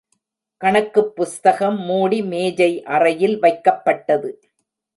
கணக்குப் புஸ்தகம் மூடி மேஜை அறையில் வைக்கப்பட்டது.